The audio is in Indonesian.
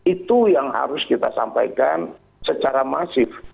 itu yang harus kita sampaikan secara masif